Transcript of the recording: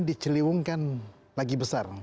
diceliungkan lagi besar